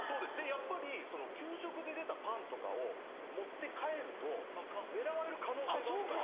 やっぱり給食で出たパンとかを持って帰ると狙われる可能性があるから。